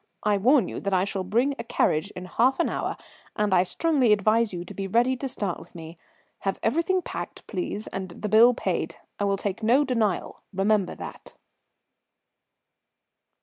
I warn you that I shall bring a carriage in half an hour, and I strongly advise you to be ready to start with me. Have everything packed, please, and the bill paid. I will take no denial, remember that."